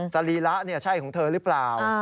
ตะลีระเนี่ยใช่ของเธอหรือเปล่า